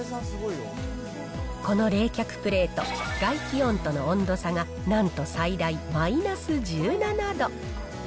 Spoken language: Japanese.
この冷却プレート、外気温との温度差が、なんと最大マイナス１７度。